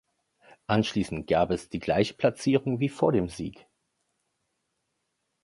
Anschließend gab es die gleiche Platzierung wie vor dem Sieg.